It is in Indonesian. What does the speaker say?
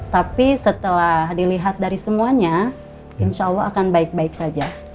tapi setelah dilihat dari semuanya insya allah akan baik baik saja